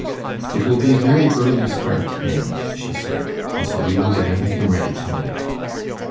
"It will be a very early start, Maimie," she said, "and so we will get everything ready to night."